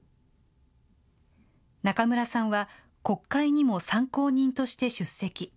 中村さんは国会にも参考人として出席。